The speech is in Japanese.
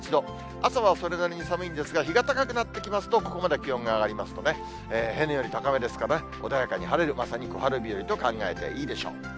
朝はそれなりに寒いんですが、日が高くなってきますと、ここまで気温が上がりますとね、平年より高めですからね、穏やかに晴れる、まさに小春日和と考えていいでしょう。